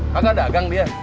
kagak dagang dia